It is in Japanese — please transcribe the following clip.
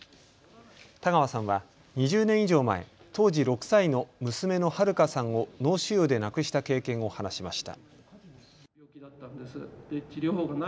田川さんは２０年以上前、当時６歳の娘のはるかさんを脳腫瘍で亡くした経験を話しました。